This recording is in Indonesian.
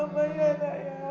mama bukan salah